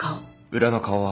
裏の顔は？